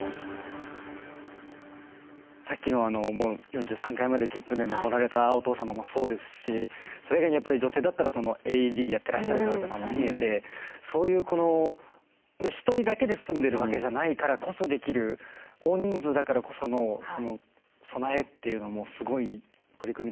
さっきの４３階まで１０分で上られたお父様もそうですしそれ以外にやっぱり女性だったらＡＥＤやってらっしゃる方とかも見えてそういうこの１人だけで住んでるわけじゃないからこそできる大人数だからこその備えっていうのもすごい取り組みだなってのを感じました。